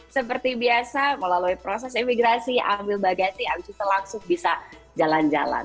seperti biasa melalui proses imigrasi ambil bagasi abis itu langsung bisa jalan jalan